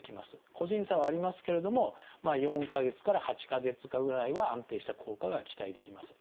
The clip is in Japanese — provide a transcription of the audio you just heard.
個人差はありますけれども４か月から８か月かぐらいは安定した効果が期待できます。